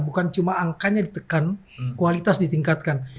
bukan cuma angkanya ditekan kualitas ditingkatkan